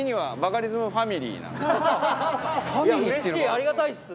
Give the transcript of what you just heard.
ありがたいっす！